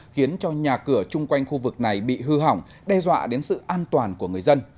khiến cho nhà cửa chung quanh khu vực này bị hư hỏng đe dọa đến sự an toàn của người dân